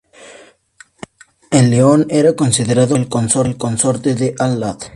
El león era considerado como el consorte de Al-lāt.